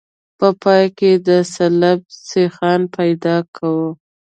په پای کې د سلب سیخان پیدا کوو